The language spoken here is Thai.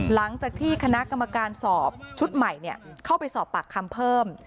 หลังจากที่คณะกรรมการสอบชุดใหม่เข้าไปสอบปากคำเพิ่ม